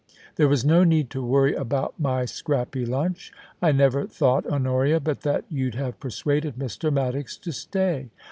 There was no need to worry about my scrappy lunch; I never thought, Honoria, but that you'd have persuaded Mr. Maddox to stay.